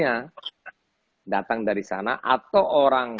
yang datang dari sana atau orang